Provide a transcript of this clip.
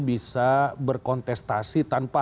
bisa berkontestasi tanpa